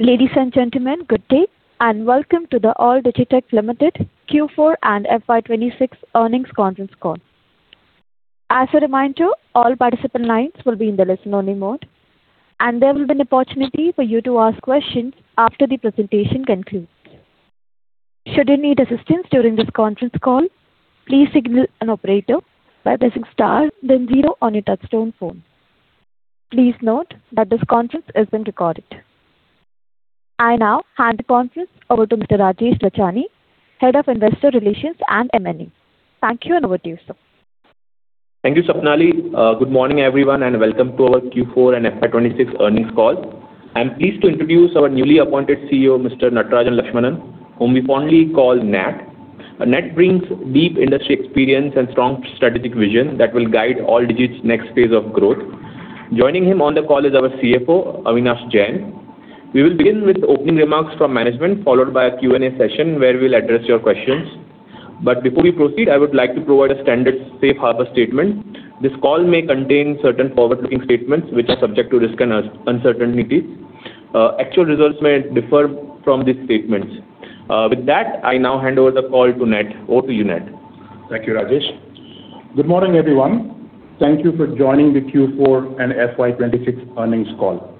Ladies and gentlemen, good day, and welcome to the Alldigi Tech Limited Q4 and FY 2026 earnings conference call. As a reminder, all participant lines will be in the listen-only mode, and there will be an opportunity for you to ask questions after the presentation concludes. Should you need assistance during this conference call, please signal an operator by pressing star then zero on your touchtone phone. Please note that this conference is being recorded. I now hand the conference over to Mr. Rajesh Lachhani, Head of Investor Relations and M&A. Thank you, and over to you, sir. Thank you, Sapnali. Good morning, everyone, and welcome to our Q4 and FY 2026 earnings call. I'm pleased to introduce our newly appointed CEO, Mr. Natarajan Laxsmanan, whom we fondly call Nat. Nat brings deep industry experience and strong strategic vision that will guide Alldigi Tech's next phase of growth. Joining him on the call is our CFO, Avinash Jain. We will begin with opening remarks from management, followed by a Q and A session where we'll address your questions. Before we proceed, I would like to provide a standard safe harbor statement. This call may contain certain forward-looking statements which are subject to risk and uncertainties. Actual results may differ from these statements. With that, I now hand over the call to Nat. Over to you, Nat. Thank you, Rajesh. Good morning, everyone. Thank you for joining the Q4 and FY 2026 earnings call.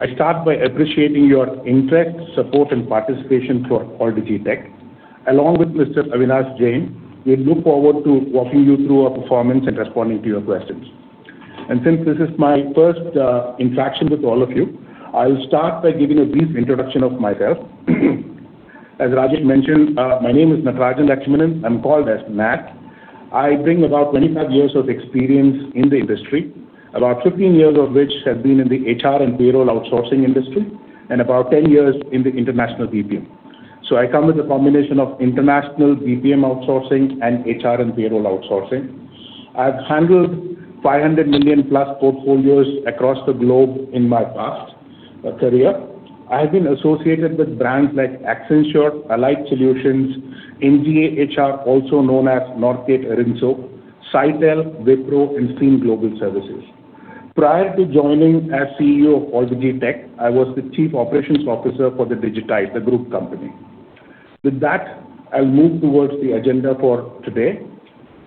I start by appreciating your interest, support, and participation to Alldigi Tech. Along with Mr. Avinash Jain, we look forward to walking you through our performance and responding to your questions. Since this is my first interaction with all of you, I'll start by giving a brief introduction of myself. As Rajesh mentioned, my name is Natarajan Laxsmanan. I'm called as Nat. I bring about 25 years of experience in the industry, about 15 years of which have been in the HR and payroll outsourcing industry and about 10 years in the international BPM. I come with a combination of international BPM outsourcing and HR and payroll outsourcing. I've handled 500 million-plus portfolios across the globe in my past career. I have been associated with brands like Accenture, Alight Solutions, NGA HR, also known as NorthgateArinso, Sitel, Wipro, and Stream Global Services. Prior to joining as CEO of Alldigi Tech, I was the chief operations officer for Digitide Solutions, the group company. With that, I'll move towards the agenda for today.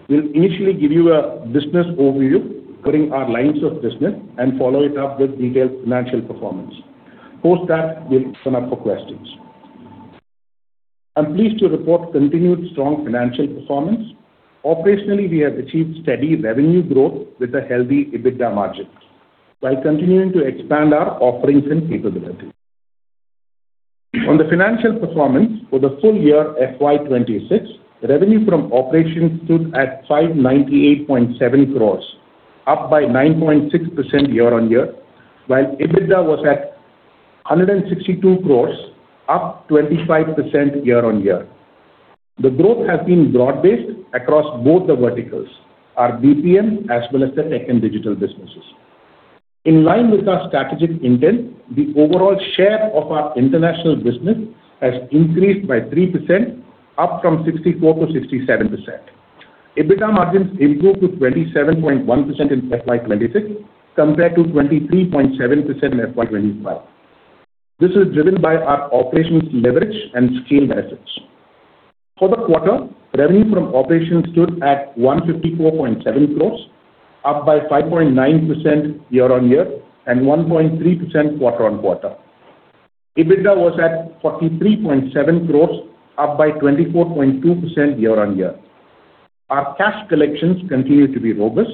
We'll initially give you a business overview covering our lines of business and follow it up with detailed financial performance. Post that, we'll open up for questions. I'm pleased to report continued strong financial performance. Operationally, we have achieved steady revenue growth with a healthy EBITDA margin while continuing to expand our offerings and capabilities. On the financial performance for the full year FY 2026, revenue from operations stood at 598.7 crores, up by 9.6% year-on-year, while EBITDA was at 162 crores, up 25% year-on-year. The growth has been broad-based across both the verticals, our BPM as well as the Tech and Digital businesses. In line with our strategic intent, the overall share of our international business has increased by 3%, up from 64%-67%. EBITDA margins improved to 27.1% in FY 2026 compared to 23.7% in FY 2025. This is driven by our operations leverage and scale assets. For the quarter, revenue from operations stood at 154.7 crores, up by 5.9% year-on-year and 1.3% quarter-on-quarter. EBITDA was at 43.7 crores, up by 24.2% year-on-year. Our cash collections continue to be robust.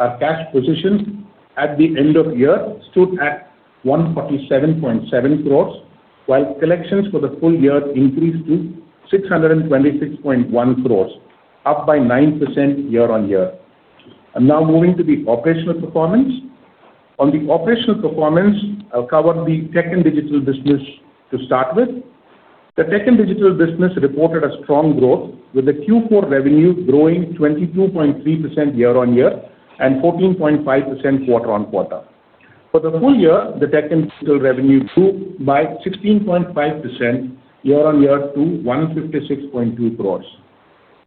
Our cash position at the end of year stood at 147.7 crores, while collections for the full year increased to 626.1 crores, up by 9% year-on-year. I'm now moving to the operational performance. On the operational performance, I'll cover the Tech and Digital business to start with. The Tech and Digital business reported a strong growth with the Q4 revenue growing 22.3% year-on-year and 14.5% quarter-on-quarter. For the full year, the Tech and Digital revenue grew by 16.5% year-on-year to 156.2 crores.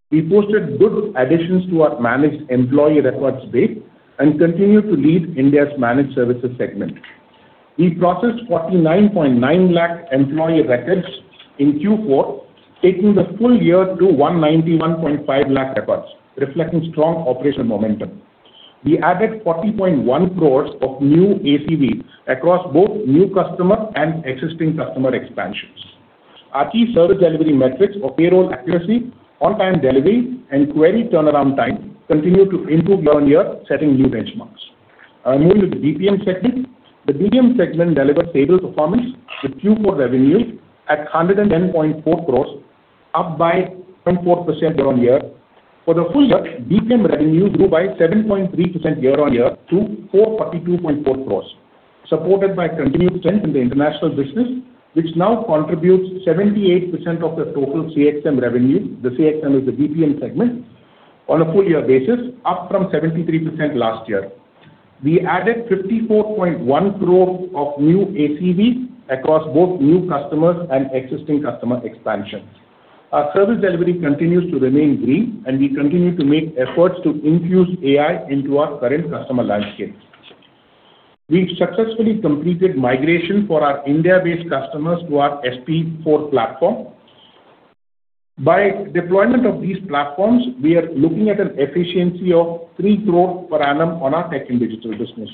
We posted good additions to our managed employee records base and continue to lead India's managed services segment. We processed 49.9 lakh employee records in Q4, taking the full year to 191.5 lakh records, reflecting strong operational momentum. We added 40.1 crores of new ACV across both new customer and existing customer expansions. Our key service delivery metrics of payroll accuracy, on-time delivery, and query turnaround time continued to improve year-on-year, setting new benchmarks. I'll move to the BPM segment. The BPM segment delivered stable performance with Q4 revenue at 110.4 crores, up by 0.4% year-on-year. For the full year, BPM revenue grew by 7.3% year-on-year to 442.4 crores, supported by continued strength in the international business, which now contributes 78% of the total CXM revenue. The CXM is the BPM segment on a full year basis, up from 73% last year. We added 54.1 crore of new ACV across both new customers and existing customer expansions. Our service delivery continues to remain green, and we continue to make efforts to infuse AI into our current customer landscape. We've successfully completed migration for our India-based customers to our SP4 platform. By deployment of these platforms, we are looking at an efficiency of 3 crore per annum on our Tech & Digital business.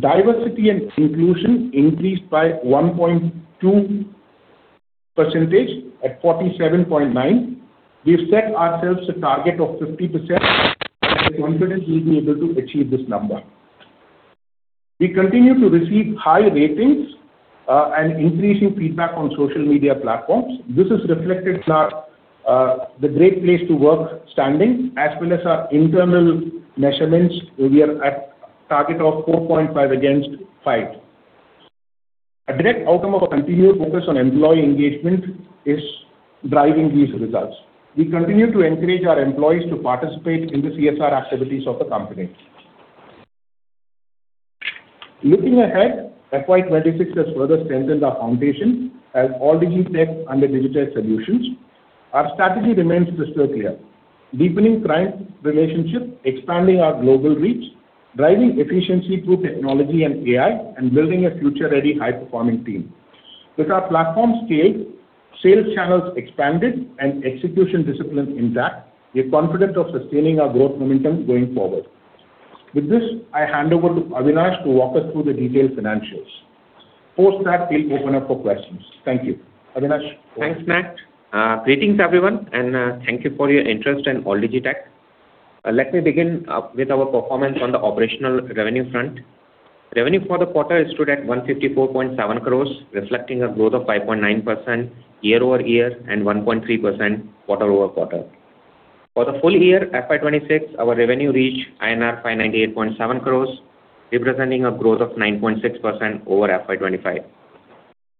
Diversity and inclusion increased by 1.2% at 47.9%. We've set ourselves a target of 50%. I am confident we'll be able to achieve this number. We continue to receive high ratings, and increasing feedback on social media platforms. This is reflected in our, the Great Place To Work standing as well as our internal measurements. We are at target of 4.5 against 5. A direct outcome of our continued focus on employee engagement is driving these results. We continue to encourage our employees to participate in the CSR activities of the company. Looking ahead, FY 2026 has further strengthened our foundation as Alldigi Tech under Digitide Solutions. Our strategy remains crystal clear: deepening client relationship, expanding our global reach, driving efficiency through technology and AI, and building a future-ready, high-performing team. With our platform scaled, sales channels expanded, and execution discipline intact, we are confident of sustaining our growth momentum going forward. With this, I hand over to Avinash to walk us through the detailed financials. Post that, we'll open up for questions. Thank you. Avinash, over to you. Thanks, Nat. Greetings, everyone, thank you for your interest in Alldigi Tech. Let me begin with our performance on the operational revenue front. Revenue for the quarter stood at 154.7 crores, reflecting a growth of 5.9% year-over-year and 1.3% quarter-over-quarter. For the full year, FY 2026, our revenue reached INR 598.7 crores, representing a growth of 9.6% over FY 2025.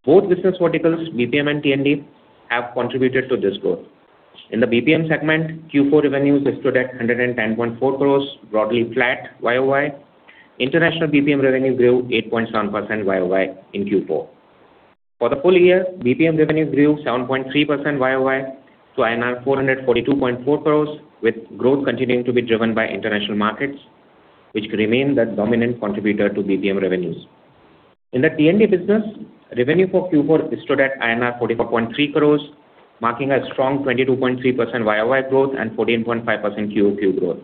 Both business verticals, BPM and T&D, have contributed to this growth. In the BPM segment, Q4 revenues stood at 110.4 crores, broadly flat YoY. International BPM revenues grew 8.7% YoY in Q4. For the full year, BPM revenues grew 7.3% YoY to INR 442.4 crores, with growth continuing to be driven by international markets, which remain the dominant contributor to BPM revenues. In the T&D business, revenue for Q4 stood at INR 44.3 crores, marking a strong 22.3% YoY growth and 14.5% QoQ growth.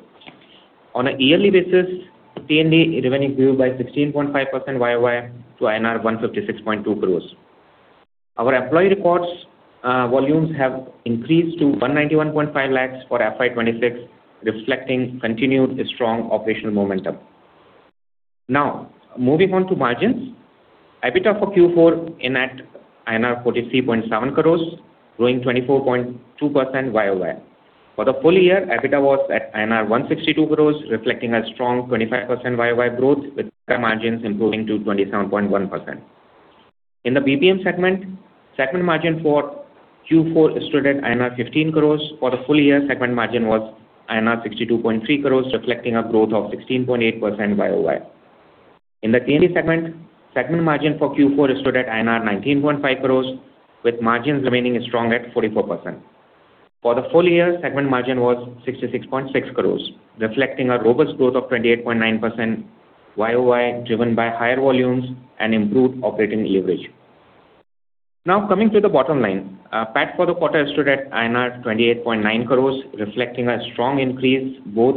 On a yearly basis, T&D revenue grew by 16.5% YoY to INR 156.2 crores. Our employee reports volumes have increased to 191.5 lakhs for FY 2026, reflecting continued strong operational momentum. Moving on to margins. EBITDA for Q4 in at INR 43.7 crores, growing 24.2% YoY. For the full year, EBITDA was at INR 162 crores, reflecting a strong 25% YoY growth, with margins improving to 27.1%. In the BPM segment margin for Q4 stood at INR 15 crores. For the full year, segment margin was INR 62.3 crores, reflecting a growth of 16.8% YoY. In the T&D segment margin for Q4 stood at INR 19.5 crores, with margins remaining strong at 44%. For the full year, segment margin was 66.6 crores, reflecting a robust growth of 28.9% YoY, driven by higher volumes and improved operating leverage. Now, coming to the bottom line. PAT for the quarter stood at INR 28.9 crores, reflecting a strong increase both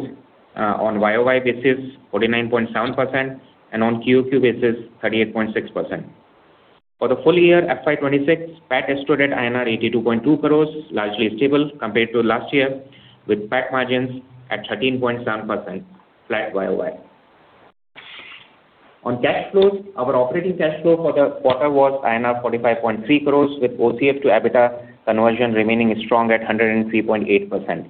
on YoY basis, 49.7%, and on QoQ basis, 38.6%. For the full year, FY 2026, PAT stood at INR 82.2 crores, largely stable compared to last year, with PAT margins at 13.7%, flat YoY. On cash flows, our operating cash flow for the quarter was INR 45.3 crores, with OCF to EBITDA conversion remaining strong at 103.8%.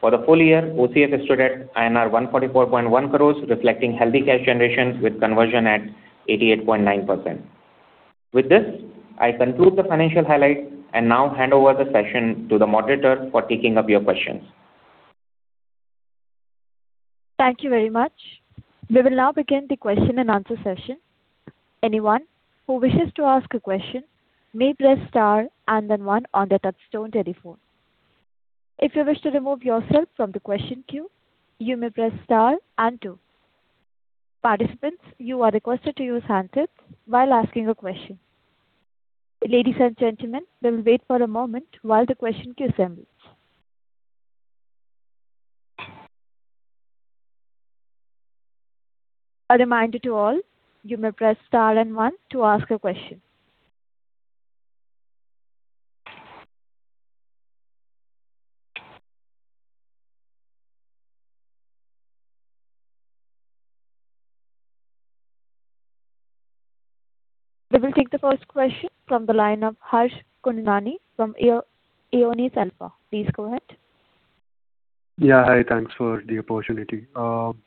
For the full year, OCF stood at INR 144.1 crores, reflecting healthy cash generations with conversion at 88.9%. With this, I conclude the financial highlight and now hand over the session to the moderator for taking up your questions. Thank you very much. We will now begin the question-and-answer session. Anyone who wishes to ask a question may press star and then one on their touchtone telephone. If you wish to remove yourself from the question queue you may press star and two. Participant you are requested to use handset while asking question. Ladies and gentlemen you may wait a moment while the question queue assemble. I remained you all if you may press star one to ask a question. We will take the first question from the line of Harsh Kundnani from Aionios Alpha. Please go a head. Hi. Thanks for the opportunity.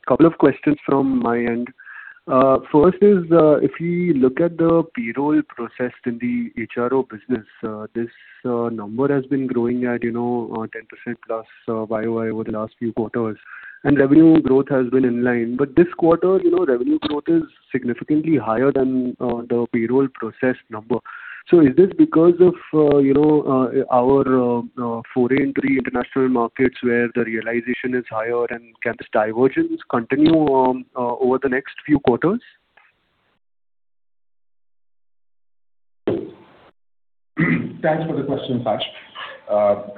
Couple questions from my end. First is, if we look at the payroll processed in the HRO business, this number has been growing at, you know, 10% plus YoY over the last few quarters, and revenue growth has been in line. This quarter, you know, revenue growth is significantly higher than the payroll processed number. Is this because of, you know, our foray into the international markets where the realization is higher, and can this divergence continue over the next few quarters? Thanks for the question, Harsh.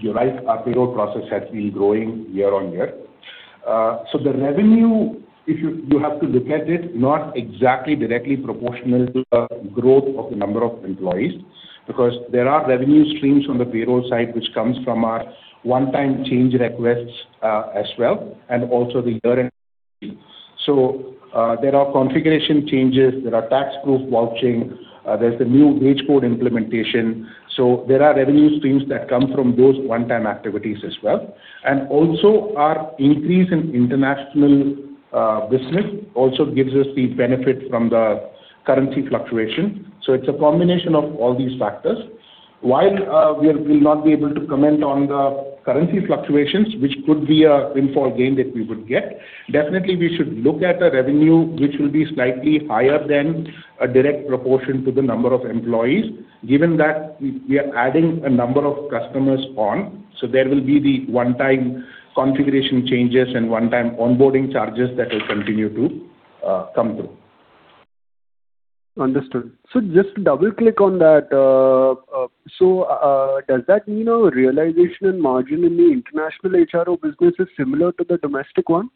You're right, our payroll process has been growing year-over-year. So the revenue, if you have to look at it not exactly directly proportional to the growth of the number of employees because there are revenue streams from the payroll side which comes from our one-time change requests, as well and also the year-end. There are configuration changes, there are tax proof vouching, there's the new wage code implementation. There are revenue streams that come from those one-time activities as well. Also our increase in international business also gives us the benefit from the currency fluctuation. It's a combination of all these factors. While we'll not be able to comment on the currency fluctuations which could be a windfall gain that we would get, definitely we should look at the revenue which will be slightly higher than a direct proportion to the number of employees given that we are adding a number of customers on. There will be the one-time configuration changes and one-time onboarding charges that will continue to come through. Understood. Just to double-click on that, does that mean our realization and margin in the international HRO business is similar to the domestic one?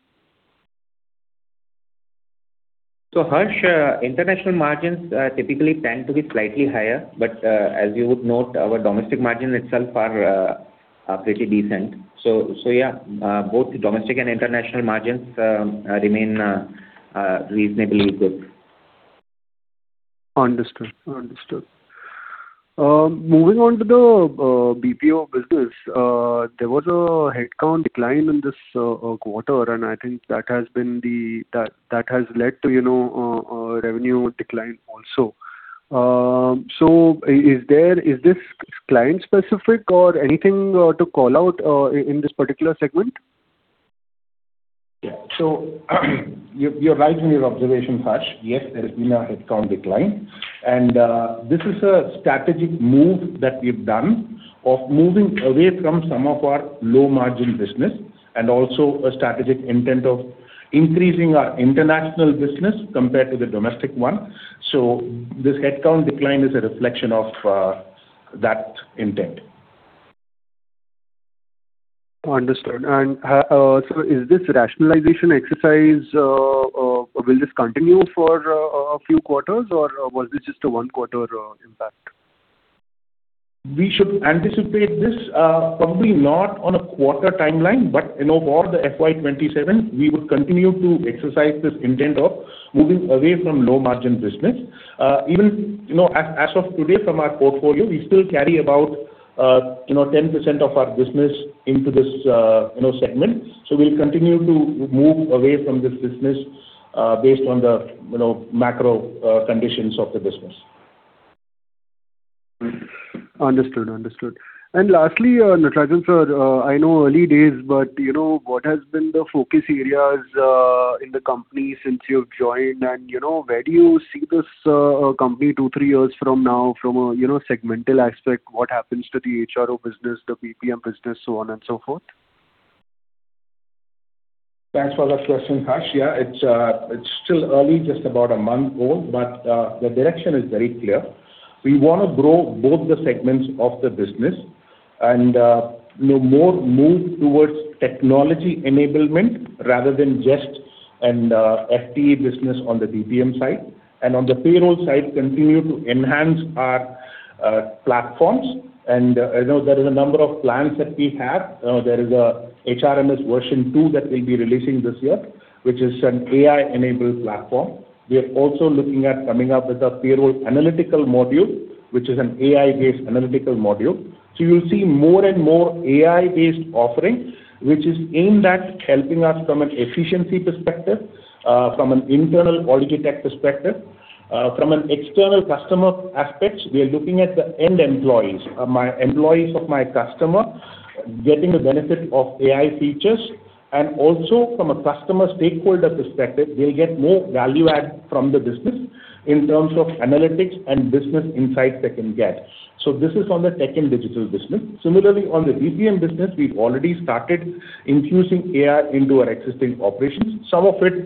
Harsh, international margins typically tend to be slightly higher, but, as you would note, our domestic margin itself are pretty decent. Yeah, both domestic and international margins remain reasonably good. Understood. Understood. Moving on to the BPO business. There was a headcount decline in this quarter and I think that has led to, you know, revenue decline also. Is this client specific or anything to call out in this particular segment? Yeah. You're right in your observation, Harsh. Yes, there has been a headcount decline. This is a strategic move that we've done of moving away from some of our low-margin business and also a strategic intent of increasing our international business compared to the domestic one. This headcount decline is a reflection of that intent. Understood. Is this rationalization exercise, will this continue for a few quarters or was this just a one quarter impact? We should anticipate this, probably not on a quarter timeline, but you know over the FY 2027 we would continue to exercise this intent of moving away from low-margin business. Even, you know, as of today from our portfolio we still carry about, you know 10% of our business into this, you know, segment. We'll continue to move away from this business, based on the, you know, macro conditions of the business. Understood. Understood. Lastly, Nat, sir, I know early days but, you know, what has been the focus areas in the company since you've joined and, you know, where do you see this company two, three years from now from a, you know, segmental aspect? What happens to the HRO business, the BPM business, so on and so forth? Thanks for that question, Harsh. Yeah, it's still early, just about a month old, but the direction is very clear. We wanna grow both the segments of the business and, you know, more move towards technology enablement rather than just an FTE business on the BPM side. On the payroll side, continue to enhance our platforms and, you know, there is a number of plans that we have. There is a HRMS V2 that we'll be releasing this year which is an AI-enabled platform. We are also looking at coming up with a payroll analytical module which is an AI-based analytical module. You'll see more and more AI-based offerings which is aimed at helping us from an efficiency perspective, from an internal quality tech perspective. From an external customer aspects we are looking at the end employees, my employees of my customer getting the benefit of AI features. Also from a customer stakeholder perspective they'll get more value add from the business in terms of analytics and business insights they can get. This is on the tech and digital business. Similarly on the BPM business we've already started infusing AI into our existing operations, some of it,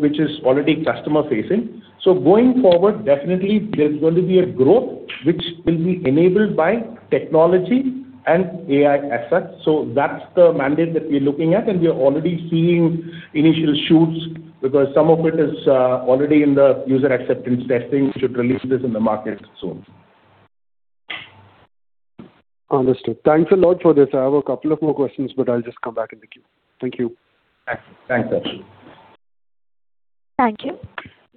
which is already customer-facing. Going forward definitely there's going to be a growth which will be enabled by technology and AI assets. That's the mandate that we're looking at and we are already seeing initial shoots because some of it is already in the user acceptance testing. We should release this in the market soon. Understood. Thanks a lot for this. I have a couple of more questions but I'll just come back in the queue. Thank you. Thanks. Thanks, Harsh. Thank you.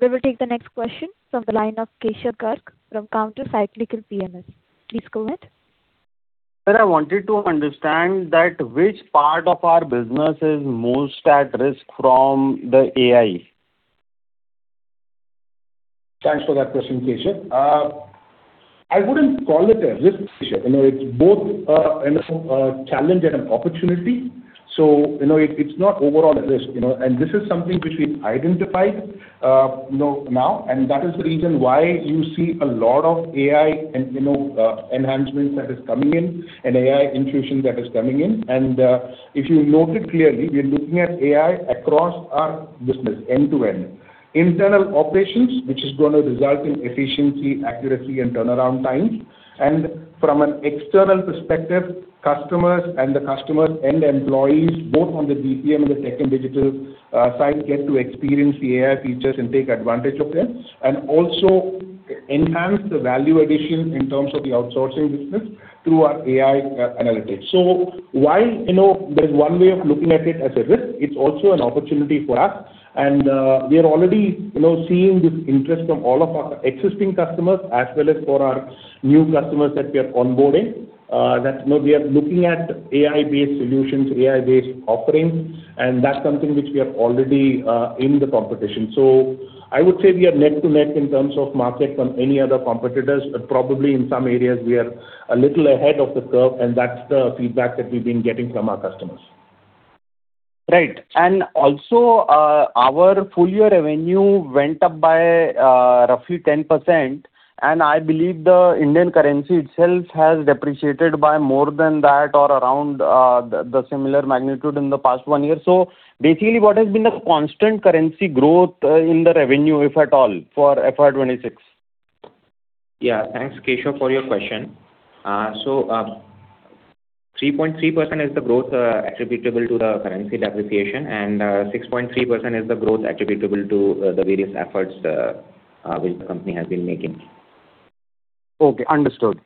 We will take the next question from the line of Keshav Garg from Countercyclical PMS. Please go ahead. Sir, I wanted to understand that which part of our business is most at risk from the AI? Thanks for that question, Keshav. I wouldn't call it a risk, Keshav. You know, it's both, you know, a challenge and an opportunity. You know, it's not overall a risk, you know. This is something which we've identified, you know, now, and that is the reason why you see a lot of AI and, you know, enhancements that is coming in and AI infusion that is coming in. If you note it clearly, we are looking at AI across our business end-to-end. Internal operations, which is gonna result in efficiency, accuracy and turnaround times. From an external perspective, customers and employees both on the BPM and the Tech and Digital side get to experience the AI features and take advantage of them. Also enhance the value addition in terms of the outsourcing business through our AI analytics. While, you know, there's one way of looking at it as a risk, it's also an opportunity for us. We are already, you know, seeing this interest from all of our existing customers as well as for our new customers that we are onboarding. That, you know, we are looking at AI-based solutions, AI-based offerings, and that's something which we are already in the competition. I would say we are neck to neck in terms of market from any other competitors, but probably in some areas we are a little ahead of the curve, and that's the feedback that we've been getting from our customers. Right. Also, our full year revenue went up by roughly 10%, and I believe the Indian currency itself has depreciated by more than that or around the similar magnitude in the past one year. What has been the constant currency growth in the revenue, if at all, for FY 2026? Yeah. Thanks, Keshav, for your question. 3.3% is the growth attributable to the currency depreciation, and 6.3% is the growth attributable to the various efforts which the company has been making. Okay, understood.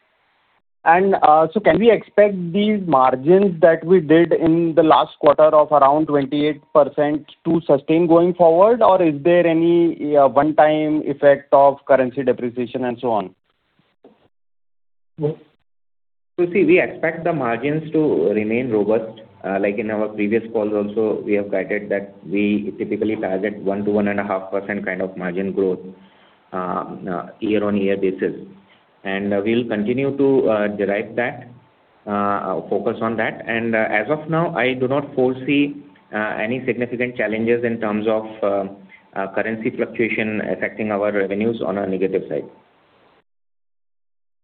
So can we expect these margins that we did in the last quarter of around 28% to sustain going forward, or is there any one-time effect of currency depreciation and so on? See, we expect the margins to remain robust. Like in our previous calls also, we have guided that we typically target 1% to 1.5% kind of margin growth, year-over-year basis. We'll continue to derive that focus on that. As of now, I do not foresee any significant challenges in terms of currency fluctuation affecting our revenues on a negative side.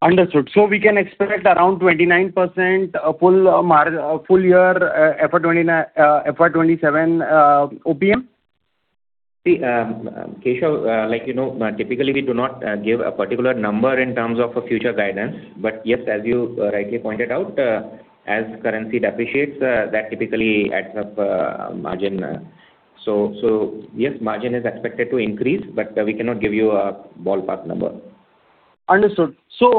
Understood. We can expect around 29% full year FY 2027 OPM? See, Keshav, like, you know, typically we do not give a particular number in terms of a future guidance. Yes, as you rightly pointed out, as currency depreciates, that typically adds up margin. Yes, margin is expected to increase, but we cannot give you a ballpark number. Understood. For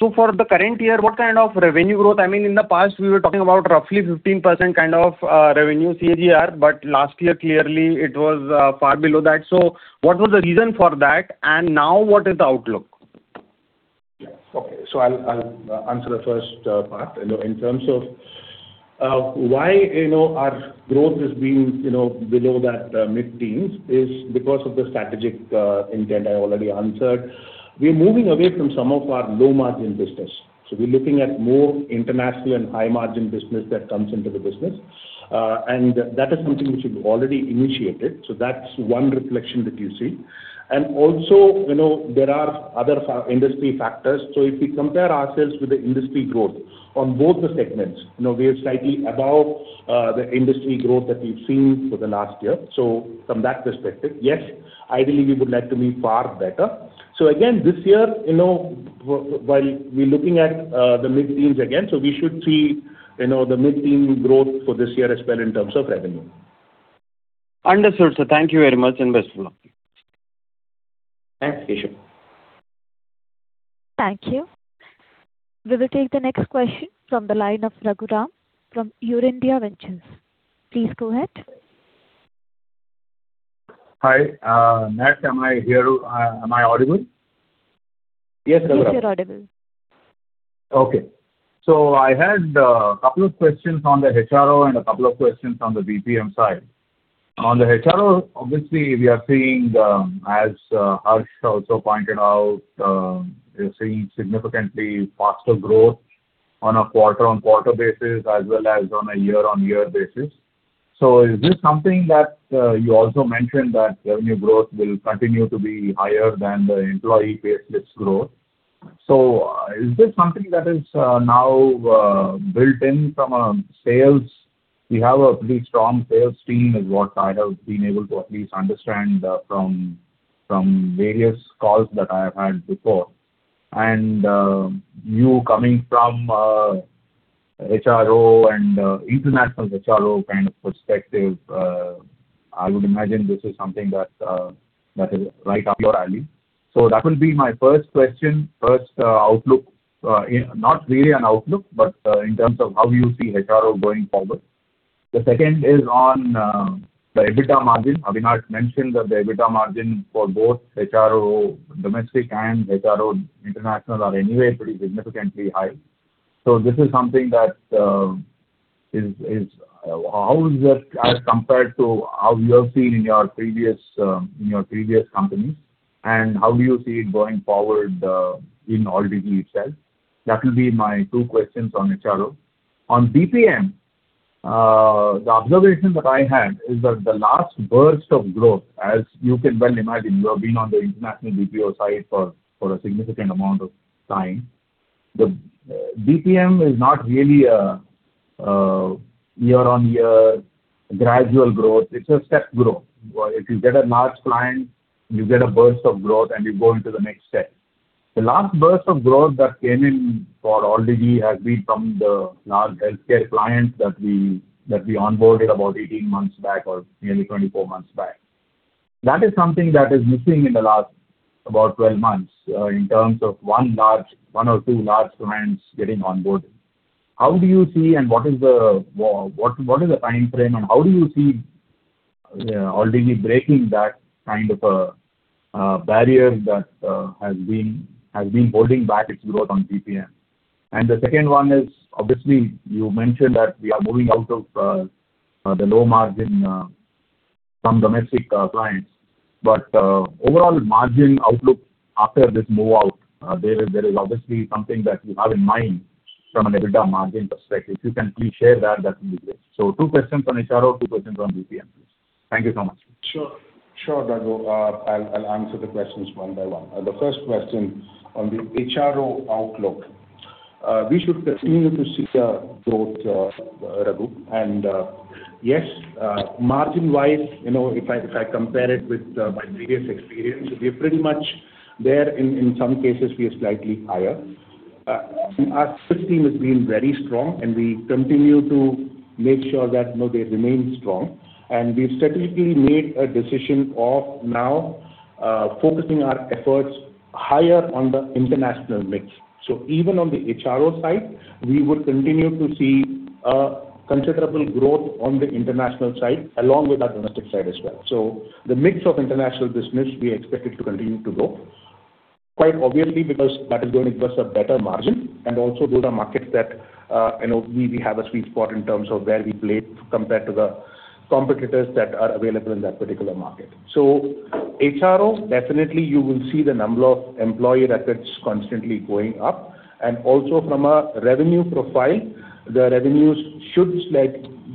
the current year, what kind of revenue growth? I mean, in the past, we were talking about roughly 15% kind of revenue CAGR, last year clearly it was far below that. What was the reason for that, and now what is the outlook? Yeah. Okay. I'll answer the first part. You know, in terms of why, you know, our growth has been, you know, below that mid-teens is because of the strategic intent I already answered. We're moving away from some of our low-margin business. We're looking at more international and high-margin business that comes into the business. That is something which we've already initiated. That's one reflection that you see. Also, you know, there are other industry factors. If we compare ourselves with the industry growth on both the segments, you know, we are slightly above the industry growth that we've seen for the last year. From that perspective, yes, ideally, we would like to be far better. Again, this year, you know, while we're looking at the mid-teens again. We should see, you know, the mid-teen growth for this year as well in terms of revenue. Understood, sir. Thank you very much, and best of luck. Thanks, Keshav. Thank you. We will take the next question from the line of Raghuram from Eurindia Ventures. Please go ahead. Hi. Nat, am I audible? Yes, Raghu. Yes, you're audible. Okay. I had two questions on the HRO and two questions on the BPM side. On the HRO, obviously, we are seeing, as Harsh also pointed out, we're seeing significantly faster growth on a quarter-on-quarter basis as well as on a year-on-year basis. Is this something that you also mentioned that revenue growth will continue to be higher than the employee-based risk growth. Is this something that is now built in from sales? You have a pretty strong sales team is what I have been able to at least understand, from various calls that I have had before. You coming from HRO and international HRO kind of perspective, I would imagine this is something that is right up your alley. That will be my first question, first outlook. Not really an outlook, but in terms of how you see HRO going forward. The second is on the EBITDA margin. Avinash mentioned that the EBITDA margin for both HRO domestic and HRO international are anyway pretty significantly high. This is something that is, how is that as compared to how you have seen in your previous in your previous companies? How do you see it going forward in Alldigi Tech itself? That will be my two questions on HRO. On BPM, the observation that I had is that the last burst of growth, as you can well imagine, you have been on the international BPO side for a significant amount of time. BPM is not really a year-over-year gradual growth, it's a step growth. Where if you get a large client, you get a burst of growth, and you go into the next step. The last burst of growth that came in for Alldigi Tech has been from the large healthcare clients that we onboarded about 18 months back or nearly 24 months back. That is something that is missing in the last about 12 months, in terms of one large one or two large clients getting onboard. How do you see and what is the timeframe, and how do you see Alldigi Tech breaking that kind of a barrier that has been holding back its growth on BPM? The second one is, obviously, you mentioned that we are moving out of the low margin, some domestic clients. Overall margin outlook after this move out, there is obviously something that you have in mind from an EBITDA margin perspective. If you can please share that will be great. Two questions on HRO, two questions on BPM, please. Thank you so much. Sure. Sure, Raghu. I'll answer the questions one by one. The first question on the HRO outlook. We should continue to see the growth, Raghu. Yes, margin-wise, you know, if I compare it with my previous experience, we are pretty much there. In some cases, we are slightly higher. Our system has been very strong, and we continue to make sure that, you know, they remain strong. We've strategically made a decision of now focusing our efforts higher on the international mix. Even on the HRO side, we would continue to see a considerable growth on the international side, along with our domestic side as well. The mix of international business, we expect it to continue to grow. Quite obviously, because that is going to give us a better margin, and also those are markets that, you know, we have a sweet spot in terms of where we play compared to the competitors that are available in that particular market. HRO, definitely you will see the number of employee records constantly going up. Also from a revenue profile, the revenues should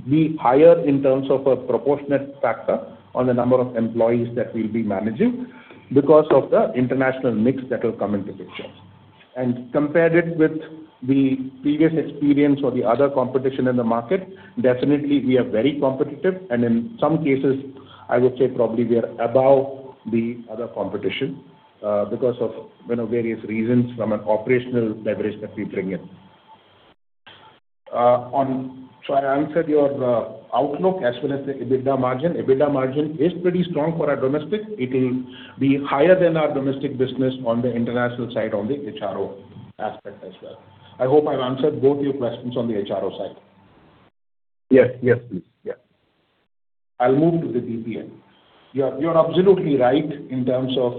be higher in terms of a proportionate factor on the number of employees that we'll be managing because of the international mix that will come into picture. Compare it with the previous experience or the other competition in the market, definitely we are very competitive. In some cases, I would say probably we are above the other competition, because of, you know, various reasons from an operational leverage that we bring in. On I answered your outlook as well as the EBITDA margin. EBITDA margin is pretty strong for our domestic. It will be higher than our domestic business on the international side on the HRO aspect as well. I hope I've answered both your questions on the HRO side. Yes. Yes, please. Yeah. I'll move to the BPM. Yeah, you're absolutely right in terms of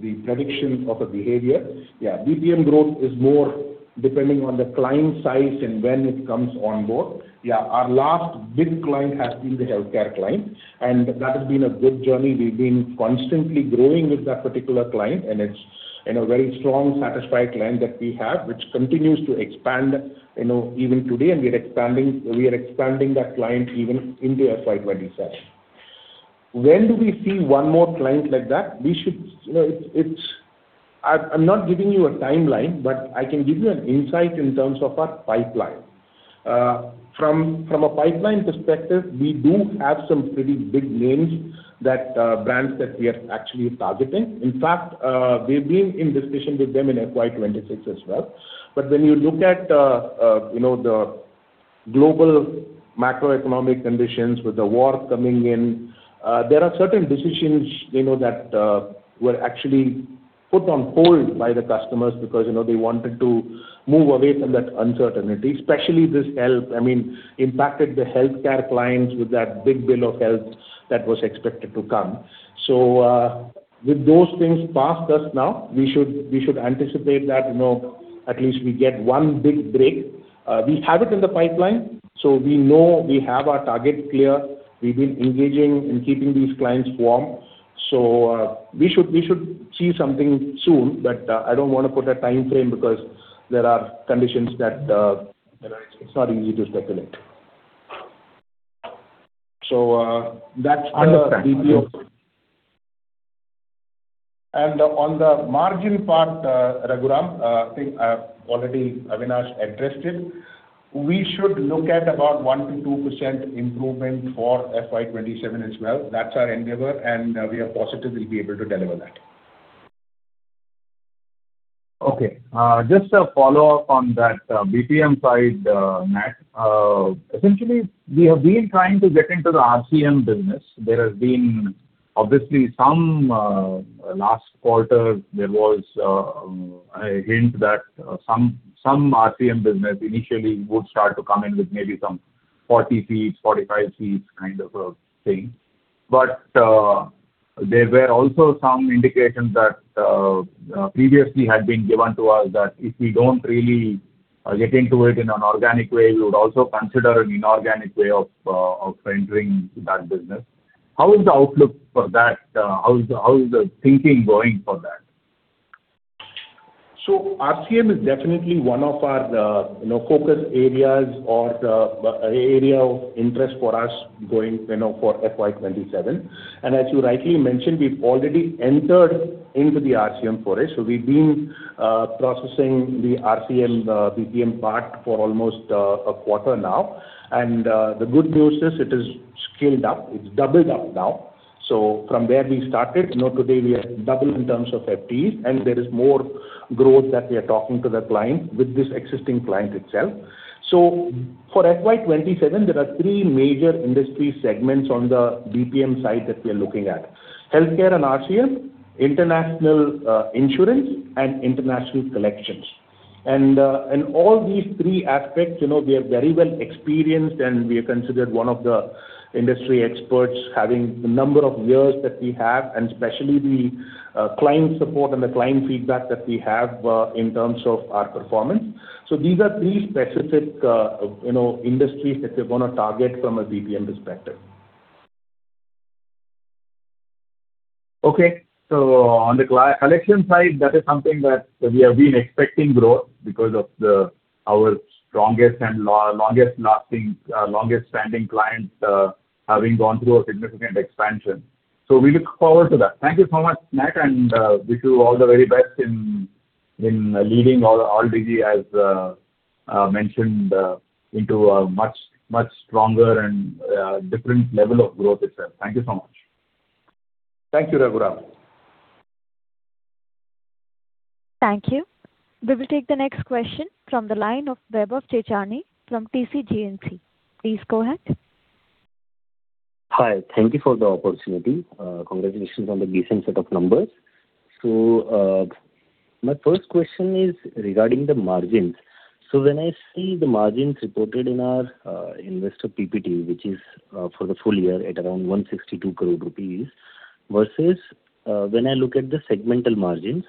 the prediction of a behavior. Yeah, BPM growth is more depending on the client size and when it comes on board. Yeah. Our last big client has been the healthcare client, and that has been a good journey. We've been constantly growing with that particular client, and it's, you know, very strong, satisfied client that we have, which continues to expand, you know, even today. We are expanding that client even into FY 2027. When do we see one more client like that? You know, I'm not giving you a timeline, but I can give you an insight in terms of our pipeline. From a pipeline perspective, we do have some pretty big names that brands that we are actually targeting. In fact, we've been in discussion with them in FY 2026 as well. When you look at, you know, the global macroeconomic conditions with the war coming in, there are certain decisions, you know, that were actually put on hold by the customers because, you know, they wanted to move away from that uncertainty, especially this health. I mean, impacted the healthcare clients with that One Big Beautiful Bill that was expected to come. With those things past us now, we should anticipate that, you know, at least we get one big break. We have it in the pipeline, we know we have our target clear. We've been engaging in keeping these clients warm. We should see something soon, but, I don't want to put a timeframe because there are conditions that, you know, it's not easy to speculate. That's on the BPM. Understand. Sure. On the margin part, Raghu, I think, already Avinash addressed it. We should look at about 1% to 2% improvement for FY 2027 as well. That's our endeavor, and we are positive we'll be able to deliver that. Okay. Just a follow-up on that BPM side, Nat. Essentially, we have been trying to get into the RCM business. There has been obviously some, last quarter, there was a hint that some RCM business initially would start to come in with maybe some 40 seats, 45 seats kind of a thing. There were also some indications that previously had been given to us that if we don't really—Are getting to it in an organic way. We would also consider an inorganic way of entering that business. How is the outlook for that? How is the thinking going for that? RCM is definitely one of our, you know, focus areas or the area of interest for us going, you know, for FY 2027. As you rightly mentioned, we've already entered into the RCM for it. We've been processing the RCM BPM part for almost a quarter now. The good news is it is scaled up. It's doubled up now. From where we started, you know, today we are double in terms of FTEs, and there is more growth that we are talking to the client with this existing client itself. For FY 2027, there are three major industry segments on the BPM side that we are looking at: healthcare and RCM, international insurance, and international collections. In all these three aspects, you know, we are very well experienced, and we are considered one of the industry experts having the number of years that we have and especially the client support and the client feedback that we have in terms of our performance. These are three specific, you know, industries that we're gonna target from a BPM perspective. Okay. On the collection side, that is something that we have been expecting growth because of our strongest and longest lasting, longest-standing clients, having gone through a significant expansion. We look forward to that. Thank you so much, Nat, and wish you all the very best in leading all Alldigi Tech as mentioned into a much stronger and different level of growth itself. Thank you so much. Thank you, Raghu. Thank you. We will take the next question from the line of Vaibhav Chechani from TCG AMC. Please go ahead. Hi. Thank you for the opportunity. Congratulations on the decent set of numbers. My first question is regarding the margins. When I see the margins reported in our investor BPT, which is for the full year at around 162 crore rupees, versus, when I look at the segmental margins,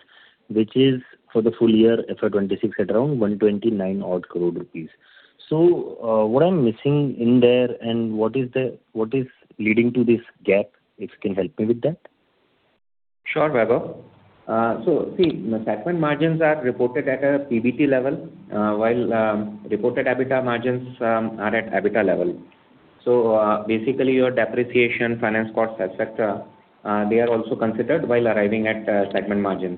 which is for the full year FY 2026 at around 129 odd crore rupees. What I'm missing in there, and what is leading to this gap? If you can help me with that. Sure, Vaibhav. The segment margins are reported at a BPT level, while reported EBITDA margins are at EBITDA level. Basically your depreciation, finance costs, et cetera, they are also considered while arriving at segment margins.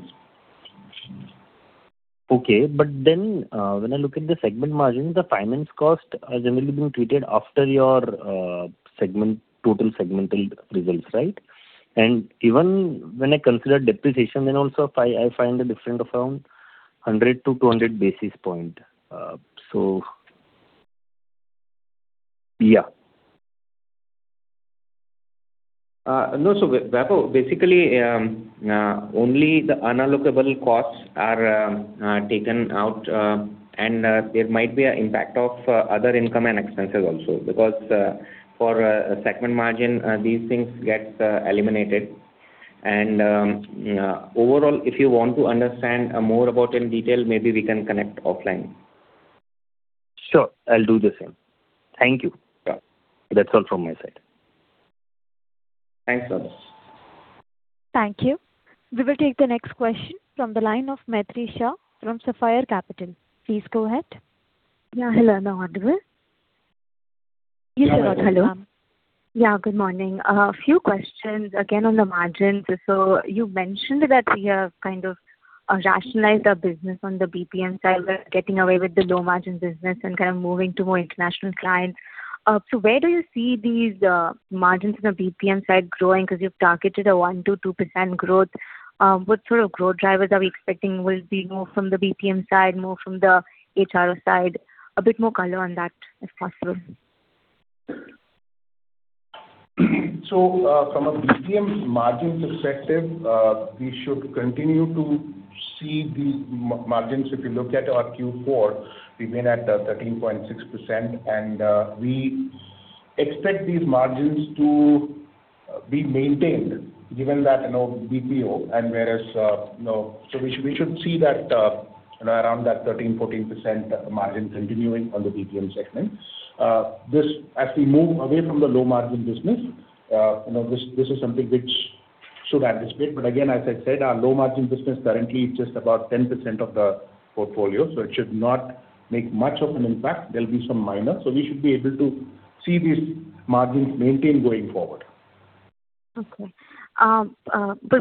Okay. When I look at the segment margins, the finance cost has generally been treated after your segment, total segmental results, right? Even when I consider depreciation then also I find a difference of around 100 to 200 basis point. Yeah. No. Vaibhav, basically, only the unallocable costs are taken out. There might be an impact of other income and expenses also. For a segment margin, these things get eliminated. Overall, if you want to understand more about in detail, maybe we can connect offline. Sure, I'll do the same. Thank you. Yeah. That's all from my side. Thanks a lot. Thank you. We will take the next question from the line of Maitri Shah from Sapphire Capital. Please go ahead. Yeah. Hello. Am I audible? Yes. Hello. Yeah, good morning. A few questions again on the margins. You mentioned that we have kind of rationalized our business on the BPM side, getting away with the low-margin business and kind of moving to more international clients. Where do you see these margins on the BPM side growing? Because you've targeted a 1%-2% growth. What sort of growth drivers are we expecting? Will it be more from the BPM side, more from the HRO side? A bit more color on that, if possible. From a BPM margins perspective, we should continue to see these margins. If you look at our Q4, we've been at 13.6%, and we expect these margins to be maintained given that, you know, BPO and whereas, you know. We should see that, you know, around that 13%-14% margin continuing on the BPM segment. This, as we move away from the low-margin business, you know, this is something which should anticipate. Again, as I said, our low-margin business currently is just about 10% of the portfolio, so it should not make much of an impact. We should be able to see these margins maintain going forward. Okay.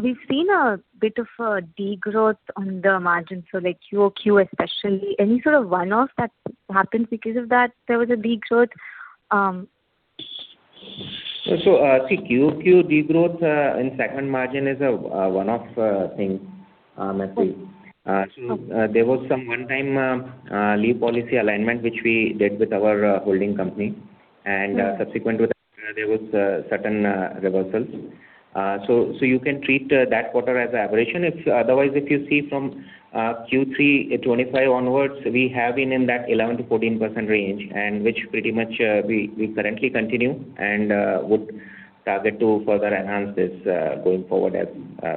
We've seen a bit of a degrowth on the margins. Like QoQ especially. Any sort of one-off that happens because of that there was a degrowth? See QoQ degrowth in segment margin is a one-off thing, I think. Okay. There was some one-time leave policy alignment which we did with our holding company. Subsequent to that there was certain reversals. You can treat that quarter as a aberration. Otherwise, if you see from Q3 2025 onwards, we have been in that 11%-14% range, and which pretty much we currently continue and would target to further enhance this going forward as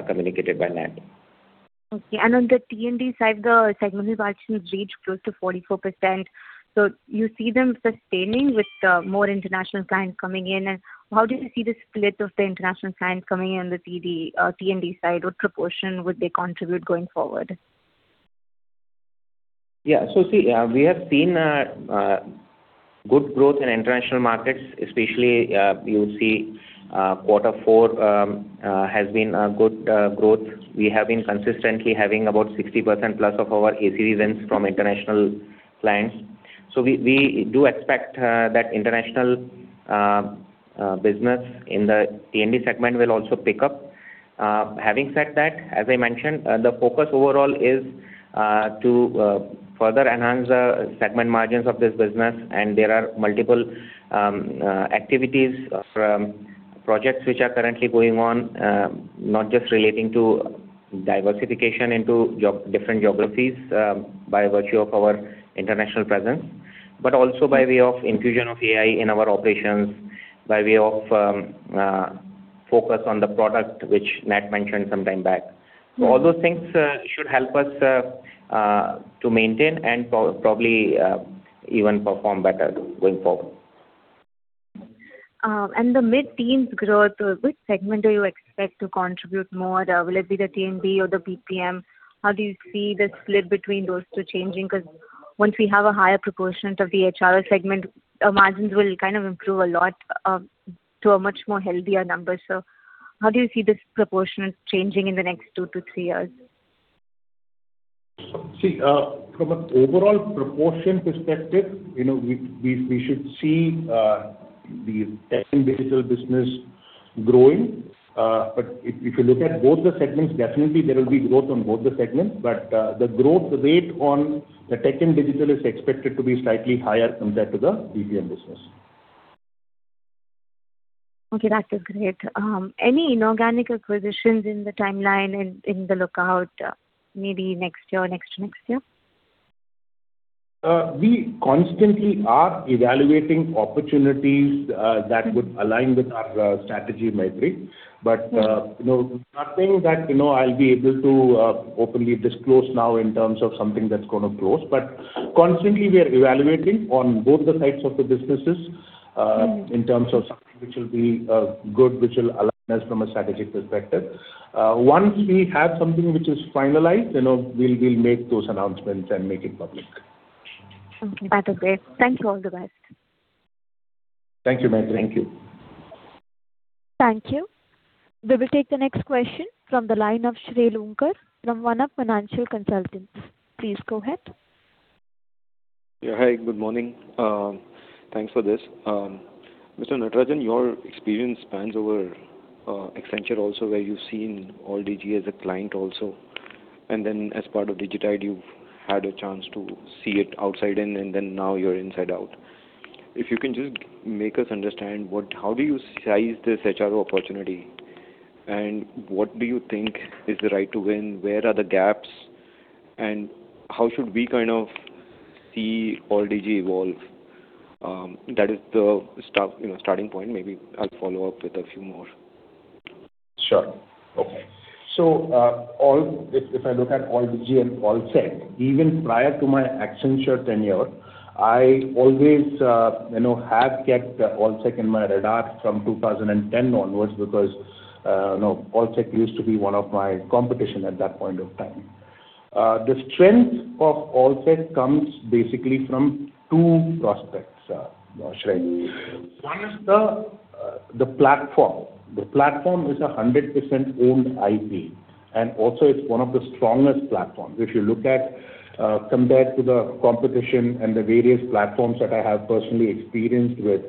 communicated by Nat. Okay. On the T&D side, the segment margins reached close to 44%. You see them sustaining with the more international clients coming in? How do you see the split of the international clients coming in the T&D side? What proportion would they contribute going forward? See, we have seen good growth in international markets, especially, you see, quarter four has been a good growth. We have been consistently having about 60% plus of our ACV wins from international clients. We do expect that international business in the T&D segment will also pick up. Having said that, as I mentioned, the focus overall is to further enhance the segment margins of this business, and there are multiple activities from projects which are currently going on, not just relating to diversification into different geographies, by virtue of our international presence, but also by way of infusion of AI in our operations, by way of focus on the product which Nat mentioned some time back. All those things should help us to maintain and probably even perform better going forward. The mid-teens growth, which segment do you expect to contribute more? Will it be the T&D or the BPM? How do you see the split between those two changing? 'Cause once we have a higher proportion of the HRO segment, our margins will kind of improve a lot, to a much more healthier number. How do you see this proportion changing in the next two to three years? See, from an overall proportion perspective, you know, we should see the tech and digital business growing. If you look at both the segments, definitely there will be growth on both the segments. The growth rate on the tech and digital is expected to be slightly higher compared to the BPM business. Okay. That is great. Any inorganic acquisitions in the timeline, in the lookout, maybe next year or next to next year? We constantly are evaluating opportunities that would align with our strategy, Maitri. Sure You know, nothing that, you know, I'll be able to openly disclose now in terms of something that's gonna close. Constantly we are evaluating on both the sides of the businesses. In terms of something which will be, good, which will align us from a strategic perspective. Once we have something which is finalized, you know, we'll make those announcements and make it public. Okay. That's great. Thank you. All the best. Thank you, Maitri. Thank you. Thank you. We will take the next question from the line of Shrey Lunkar from Vana Financial Consultants. Please go ahead. Hi, good morning. Thanks for this. Mr. Nat, your experience spans over Accenture also, where you've seen Alldigi as a client also. As part of Digitide, you've had a chance to see it outside in, and then now you're inside out. If you can just make us understand how do you size this HRO opportunity, and what do you think is the right to win? Where are the gaps, how should we kind of see Alldigi evolve? That is the start, you know, starting point. Maybe I'll follow up with a few more. Sure. Okay. If I look at Alldigi Tech and Allsec, even prior to my Accenture tenure, I always, you know, have kept Allsec in my radar from 2010 onwards because, you know, Allsec used to be one of my competition at that point of time. The strength of Allsec comes basically from two prospects, Shrey. One is the platform. The platform is a 100% owned IP, and also it's one of the strongest platforms. If you look at, compared to the competition and the various platforms that I have personally experienced with,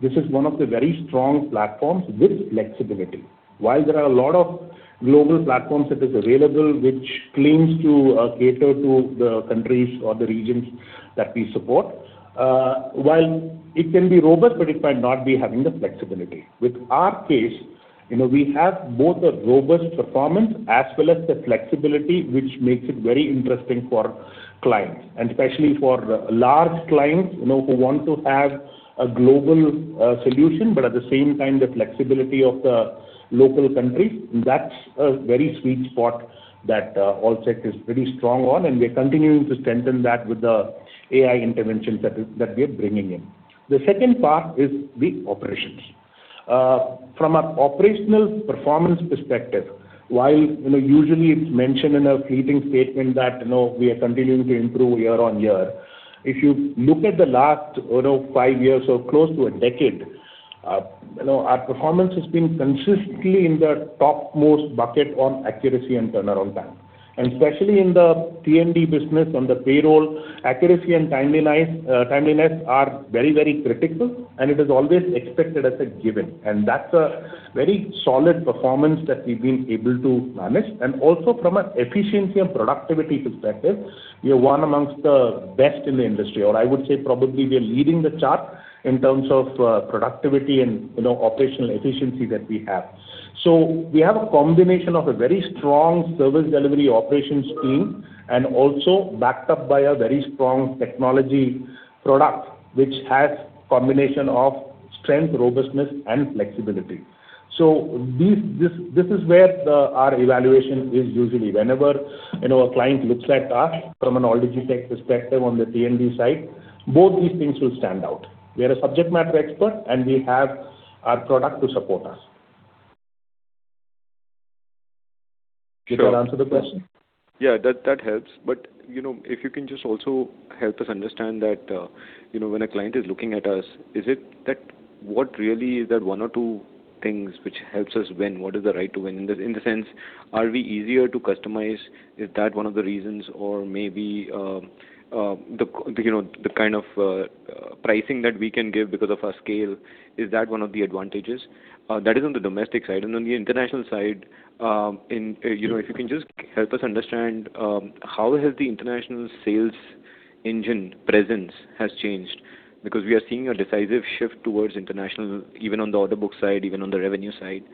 this is one of the very strong platforms with flexibility. While there are a lot of global platforms that is available which claims to cater to the countries or the regions that we support, while it can be robust, but it might not be having the flexibility. With our case, you know, we have both a robust performance as well as the flexibility, which makes it very interesting for clients, and especially for large clients, you know, who want to have a global solution, but at the same time the flexibility of the local country. That's a very sweet spot that Allsec is pretty strong on, and we're continuing to strengthen that with the AI interventions that we're bringing in. The second part is the operations. From an operational performance perspective, while, you know, usually it's mentioned in a fleeting statement that, you know, we are continuing to improve year-on-year. If you look at the last, you know, five years or close to a decade, you know, our performance has been consistently in the topmost bucket on accuracy and turnaround time. Especially in the T&D business, on the payroll, accuracy and timeliness are very, very critical, and it is always expected as a given. That's a very solid performance that we've been able to manage. Also from an efficiency and productivity perspective, we are one amongst the best in the industry, or I would say probably we are leading the chart in terms of productivity and, you know, operational efficiency that we have. We have a combination of a very strong service delivery operations team and also backed up by a very strong technology product which has combination of strength, robustness, and flexibility. This is where our evaluation is usually. Whenever, you know, a client looks at us from an Alldigi Tech perspective on the T&D side, both these things will stand out. We are a subject matter expert, and we have our product to support us. Sure. Did that answer the question? Yeah, that helps. you know, if you can just also help us understand that, you know, when a client is looking at us, is it that what really is that one or two things which helps us win? What is the right to win? In the sense, are we easier to customize? Is that one of the reasons? Or maybe, you know, the kind of pricing that we can give because of our scale, is that one of the advantages? That is on the domestic side. on the international side, you know, if you can just help us understand, how has the international sales engine presence has changed? We are seeing a decisive shift towards international, even on the order book side, even on the revenue side,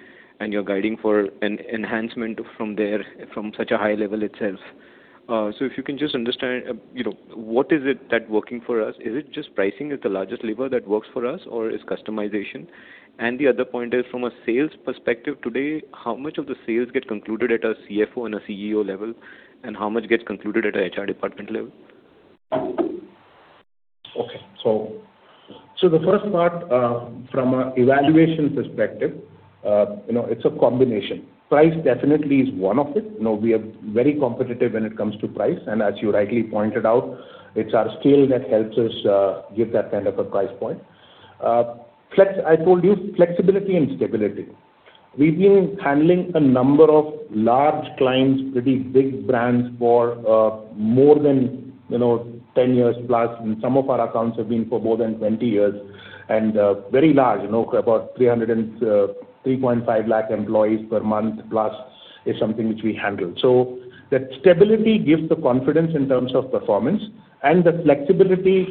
and you're guiding for an enhancement from there from such a high level itself. If you can just understand, you know, what is it that working for us? Is it just pricing is the largest lever that works for us, or is customization? The other point is, from a sales perspective today, how much of the sales get concluded at a CFO and a CEO level, and how much gets concluded at a HR department level? Okay. The first part, from a evaluation perspective, you know, it's a combination. Price definitely is one of it. You know, we are very competitive when it comes to price. As you rightly pointed out, it's our scale that helps us give that kind of a price point. I told you, flexibility and stability. We've been handling a number of large clients, pretty big brands for more than, you know, 10 years plus, and some of our accounts have been for more than 20 years. Very large, you know, about 3 to 3.5 lakh employees per month plus is something which we handle. The stability gives the confidence in terms of performance, and the flexibility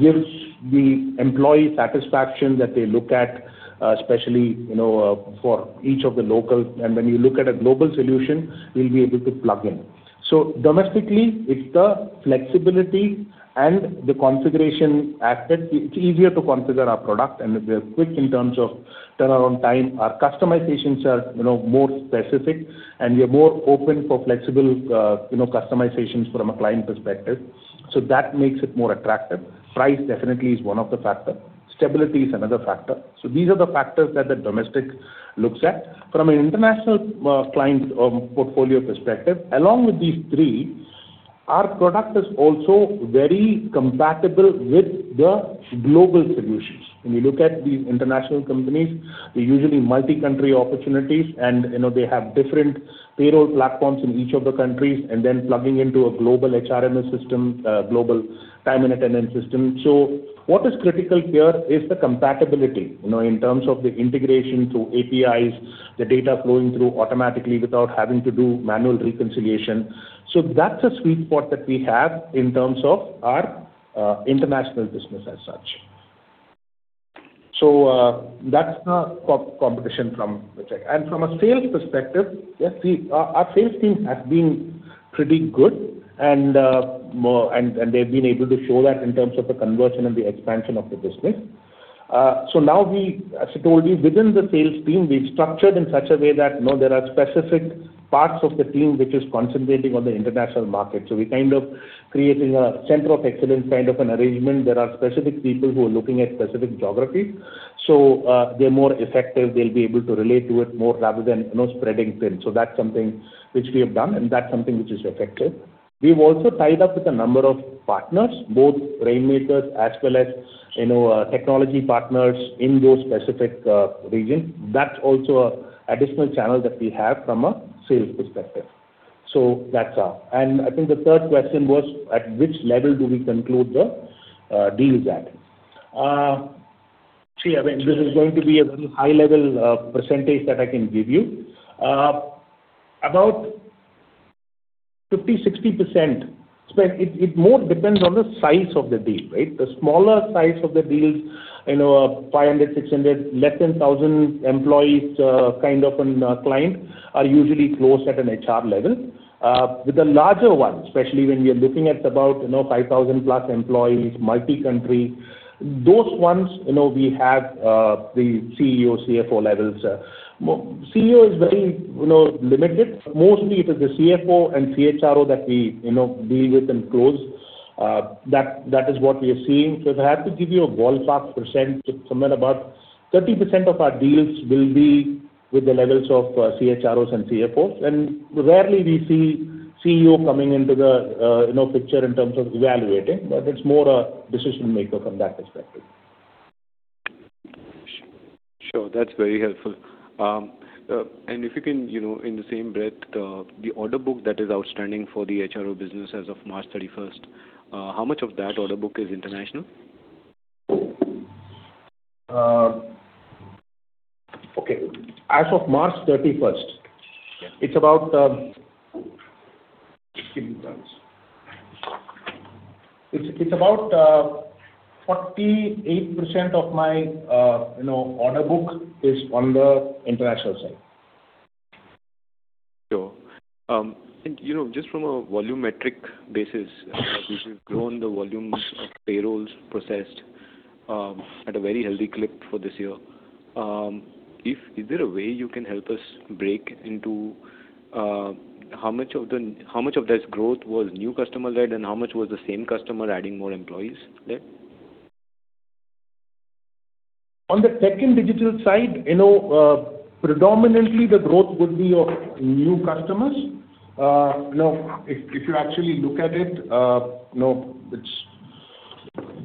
gives the employee satisfaction that they look at, especially, you know, for each of the local. When you look at a global solution, we'll be able to plug in. Domestically, it's the flexibility and the configuration aspect. It's easier to configure our product, and we're quick in terms of turnaround time. Our customizations are, you know, more specific, and we are more open for flexible, you know, customizations from a client perspective. That makes it more attractive. Price definitely is one of the factors. Stability is another factor. These are the factors that the domestic looks at. From an international client portfolio perspective, along with these three, our product is also very compatible with the global solutions. When you look at these international companies, they're usually multi-country opportunities and, you know, they have different payroll platforms in each of the countries, and then plugging into a global HRMS system, global time and attendance system. What is critical here is the compatibility, you know, in terms of the integration through APIs, the data flowing through automatically without having to do manual reconciliation. That's a sweet spot that we have in terms of our international business as such. That's the competition from that check. From a sales perspective, yes, our sales team has been pretty good and they've been able to show that in terms of the conversion and the expansion of the business. Now we, as I told you, within the sales team, we've structured in such a way that, you know, there are specific parts of the team which is concentrating on the international market. We're kind of creating a center of excellence kind of an arrangement. There are specific people who are looking at specific geographies. They're more effective. They'll be able to relate to it more rather than, you know, spreading thin. That's something which we have done, and that's something which is effective. We've also tied up with a number of partners, both rainmakers as well as, you know, technology partners in those specific regions. That's also a additional channel that we have from a sales perspective. That's all. I think the third question was at which level do we conclude the deals at? See, I mean, this is going to be a very high level percentage that I can give you. About 50%-60%. But it more depends on the size of the deal, right? The smaller size of the deals, you know, 500, 600, less than 1,000 employees, kind of a client are usually closed at an HR level. With the larger ones, especially when we are looking at about, you know, 5,000 plus employees, multi-country, those ones, you know, we have the CEO, CFO levels. CEO is very, you know, limited. Mostly it is the CFO and CHRO that we, you know, deal with and close. That is what we are seeing. If I have to give you a ballpark %, it's somewhere about 30% of our deals will be with the levels of CHROs and CFOs. Rarely we see CEO coming into the, you know, picture in terms of evaluating, but it's more a decision maker from that perspective. Sure. Sure, that's very helpful. If you can, you know, in the same breath, the order book that is outstanding for the HRO business as of March 31st, how much of that order book is international? Okay. As of March 31st. Yeah Give me one second. It's about, 48% of my, you know, order book is on the international side. Sure. You know, just from a volumetric basis, you've grown the volumes of payrolls processed at a very healthy clip for this year. Is there a way you can help us break into how much of this growth was new customer led, and how much was the same customer adding more employees there? On the Tech and Digital side, you know, predominantly the growth would be of new customers. You know, if you actually look at it, you know,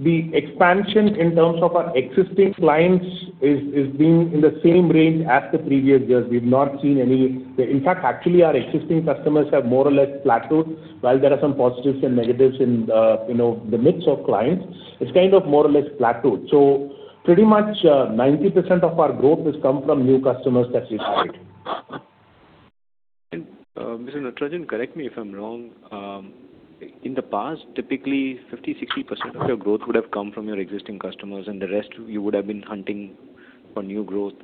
the expansion in terms of our existing clients is being in the same range as the previous years. We've not seen any. In fact, actually, our existing customers have more or less plateaued. While there are some positives and negatives in the, you know, the mix of clients, it's kind of more or less plateaued. Pretty much, 90% of our growth has come from new customers that we've added. Mr. Nat, correct me if I'm wrong. In the past, typically 50%, 60% of your growth would have come from your existing customers, and the rest you would have been hunting for new growth.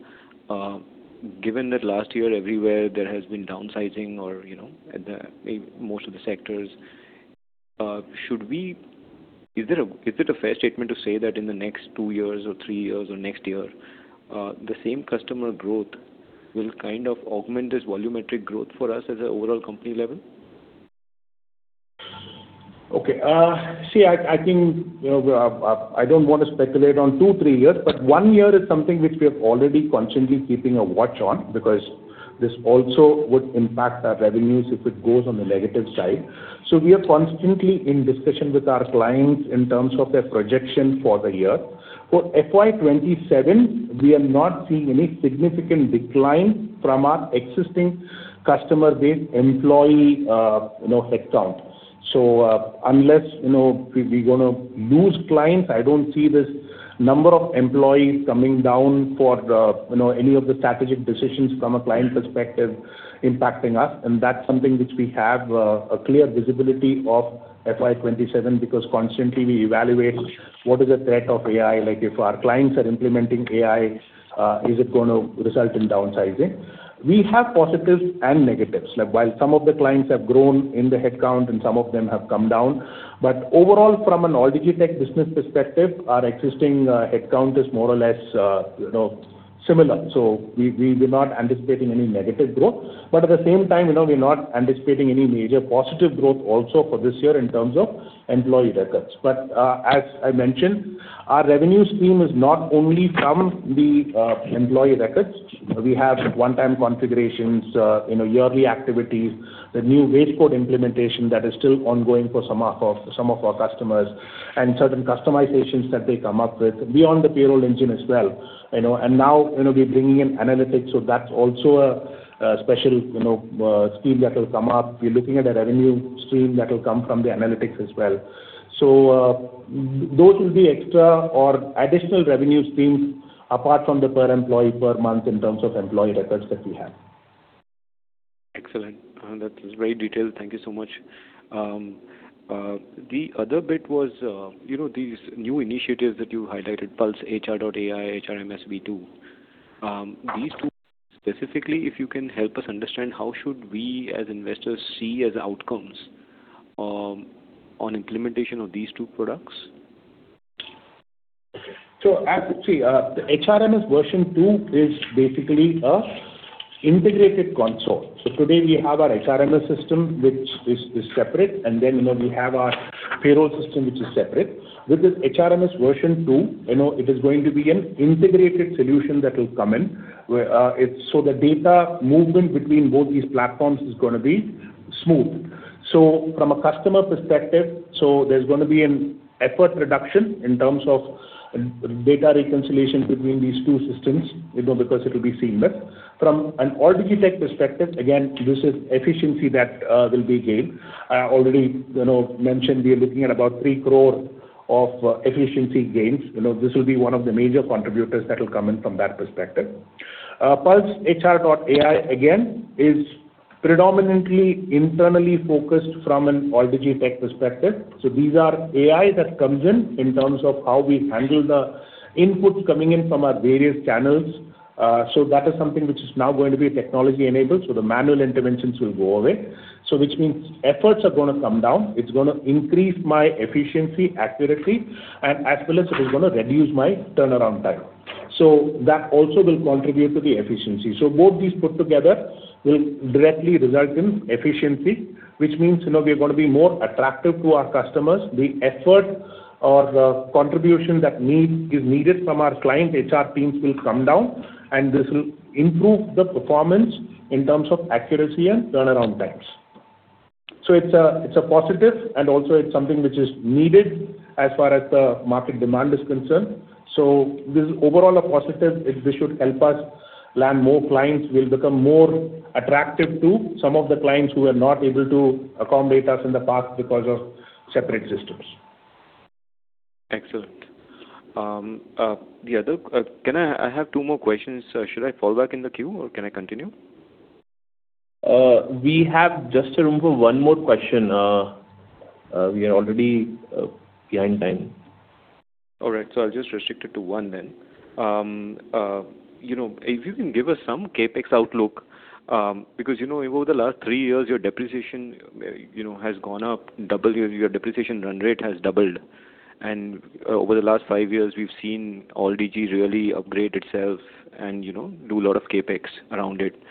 Given that last year everywhere there has been downsizing or, you know, most of the sectors, is it a fair statement to say that in the next two years or three years or next year, the same customer growth will kind of augment this volumetric growth for us at a overall company level? Okay. See, I think, you know, I don't wanna speculate on two, three years, but one year is something which we have already constantly keeping a watch on because this also would impact our revenues if it goes on the negative side. We are constantly in discussion with our clients in terms of their projection for the year. For FY 2027, we are not seeing any significant decline from our existing customer base employee, you know, headcount. Unless, you know, we're gonna lose clients, I don't see this number of employees coming down for, you know, any of the strategic decisions from a client perspective impacting us. That's something which we have a clear visibility of FY 2027 because constantly we evaluate what is the threat of AI. If our clients are implementing AI, is it gonna result in downsizing? We have positives and negatives. While some of the clients have grown in the headcount and some of them have come down, overall, from an Alldigi Tech business perspective, our existing headcount is more or less, you know, similar. We're not anticipating any negative growth. At the same time, you know, we're not anticipating any major positive growth also for this year in terms of employee records. As I mentioned, our revenue stream is not only from the employee records. We have one-time configurations, you know, yearly activities, the new wage code implementation that is still ongoing for some of our customers, and certain customizations that they come up with beyond the payroll engine as well, you know. Now, you know, we're bringing in analytics, that's also a special, you know, stream that will come up. We're looking at a revenue stream that will come from the analytics as well. Those will be extra or additional revenue streams apart from the per employee per month in terms of employee records that we have. Excellent. That was very detailed. Thank you so much. The other bit was, you know, these new initiatives that you highlighted, PulseHR.ai, HRMS V2. These two specifically, if you can help us understand how should we as investors see as outcomes, on implementation of these two products? The HRMS version two is basically an integrated console. Today we have our HRMS system, which is separate, and then, you know, we have our payroll system, which is separate. With this HRMS version two, you know, it is going to be an integrated solution that will come in where the data movement between both these platforms is gonna be smooth. From a customer perspective, there's gonna be an effort reduction in terms of data reconciliation between these two systems, you know, because it'll be seamless. From an Alldigi Tech perspective, again, this is efficiency that will be gained. I already, you know, mentioned we are looking at about 3 crore of efficiency gains. This will be one of the major contributors that will come in from that perspective. PulseHR.ai again, is predominantly internally focused from an Alldigi Tech perspective. These are AI that comes in terms of how we handle the inputs coming in from our various channels. That is something which is now going to be technology-enabled, the manual interventions will go away. Which means efforts are gonna come down. It's gonna increase my efficiency, accuracy, and as well as it is gonna reduce my turnaround time. That also will contribute to the efficiency. Both these put together will directly result in efficiency, which means, you know, we're gonna be more attractive to our customers. The effort or contribution that is needed from our client HR teams will come down, and this will improve the performance in terms of accuracy and turnaround times. It's a positive, and also it's something which is needed as far as the market demand is concerned. This is overall a positive. This should help us land more clients. We'll become more attractive to some of the clients who were not able to accommodate us in the past because of separate systems. Excellent. Can I have two more questions? Should I fall back in the queue, or can I continue? We have just room for one more question. We are already behind time. All right, I'll just restrict it to one then. You know, if you can give us some CapEx outlook, because, you know, over the last three years, your depreciation, you know, has gone up double. Your depreciation run rate has doubled. Over the last five years, we've seen Alldigi really upgrade itself and, you know, do a lot of CapEx around it.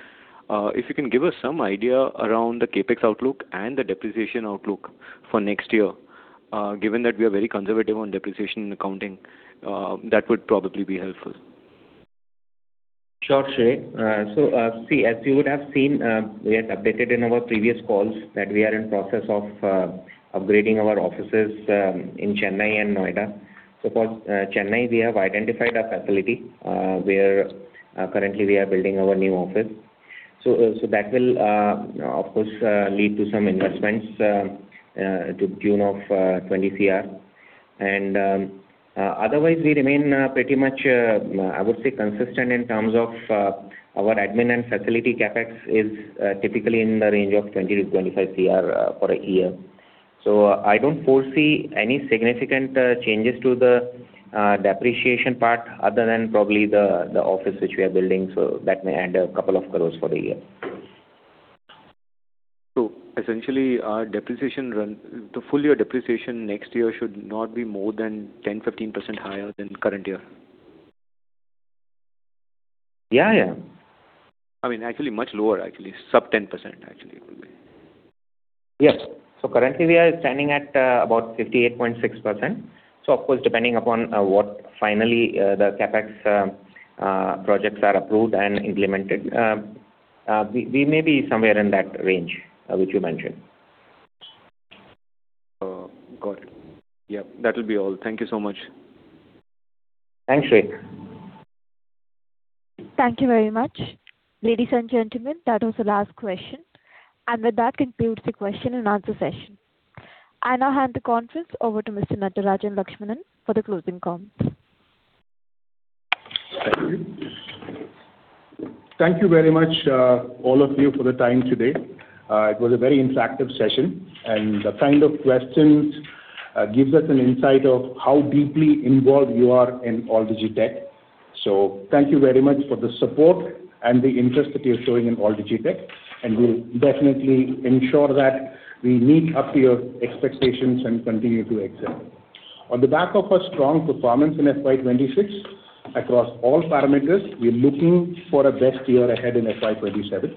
If you can give us some idea around the CapEx outlook and the depreciation outlook for next year, given that we are very conservative on depreciation and accounting, that would probably be helpful. Sure, Shrey. See, as you would have seen, we had updated in our previous calls that we are in process of upgrading our offices in Chennai and Noida. For Chennai, we have identified a facility where currently we are building our new office. That will, of course, lead to some investments to the tune of 20 CR. And otherwise we remain pretty much, I would say consistent in terms of our admin and facility CapEx is typically in the range of 20-25 CR for a year. I don't foresee any significant changes to the depreciation part other than probably the office which we are building. That may add INR couple of crores for the year. Essentially the full year depreciation next year should not be more than 10%-15% higher than current year. Yeah. I mean, actually much lower, actually. Sub 10% actually it will be. Yes. Currently we are standing at about 58.6%. Of course, depending upon what finally the CapEx projects are approved and implemented, we may be somewhere in that range which you mentioned. Got it. That will be all. Thank you so much. Thanks, Shrey. Thank you very much. Ladies and gentlemen, that was the last question. With that concludes the question-and-answer session. I now hand the conference over to Mr. Natarajan Laxsmanan for the closing comments. Thank you. Thank you very much, all of you for the time today. It was a very interactive session. The kind of questions gives us an insight of how deeply involved you are in Alldigi Tech. Thank you very much for the support and the interest that you're showing in Alldigi Tech. We'll definitely ensure that we meet up to your expectations and continue to excel. On the back of a strong performance in FY 2026 across all parameters, we are looking for a best year ahead in FY 2027.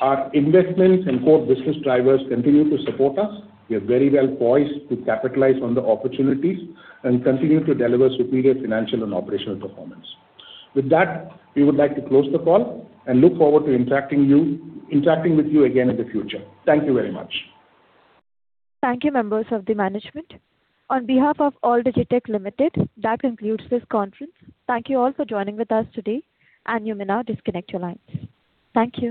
Our investments and core business drivers continue to support us. We are very well poised to capitalize on the opportunities and continue to deliver superior financial and operational performance. With that, we would like to close the call and look forward to interacting with you again in the future. Thank you very much. Thank you, members of the management. On behalf of Alldigi Tech Limited, that concludes this conference. Thank you all for joining with us today. You may now disconnect your lines. Thank you.